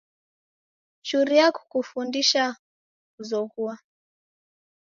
Churia kukufundisha kuzoghuo.